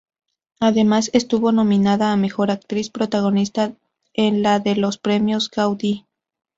Además, estuvo nominada a mejor actriz protagonista en la de los Premios Gaudí.